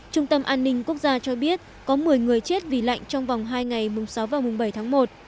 trung tâm an ninh quốc gia cho biết có một mươi người chết vì lạnh trong vòng hai ngày mùng sáu và mùng bảy tháng một